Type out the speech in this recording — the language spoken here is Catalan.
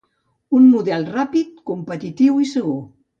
Un model ràpid, competitiu i segur.